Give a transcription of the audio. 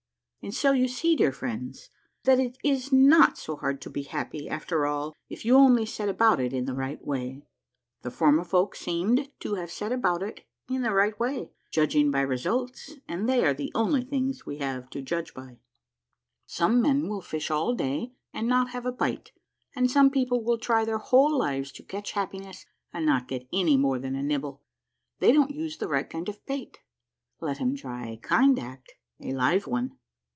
And so you see, dear friends, that it is not so hard to be happy after all if you only set about it in the right way. The Formifolk seemed to have set about it in the right way, judging by results, and they are the only things we have to judge by. A MARVELLOUS UNDERGROUND JOURNEY 127 Some men will fish all day and not have a bite, and some people will try their whole lives to catch happiness and not get any more than a nibble. They don't use the right kind of bait. Let 'em try a kind act, a live one.